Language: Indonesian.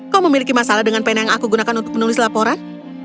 kau memiliki masalah dengan pena yang aku gunakan untuk menulis laporan